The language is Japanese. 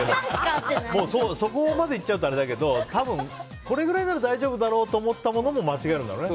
そこまでいっちゃうとあれだけど多分、これくらいなら大丈夫だと思ったものも間違えるんだろうね。